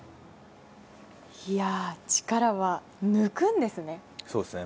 力は抜くんですね。